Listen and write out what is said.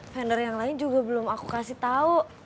vendor yang lain juga belum aku kasih tahu